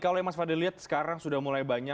kalau yang mas fadli lihat sekarang sudah mulai banyak